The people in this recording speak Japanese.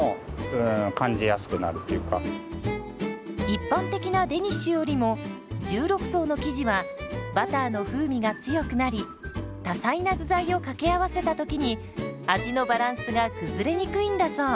一般的なデニッシュよりも１６層の生地はバターの風味が強くなり多彩な具材を掛け合わせた時に味のバランスが崩れにくいんだそう。